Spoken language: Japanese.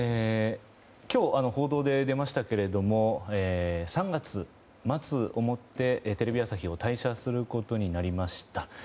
今日、報道で出ましたけれど３月末をもってテレビ朝日を退社することになりました。